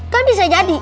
kan bisa jadi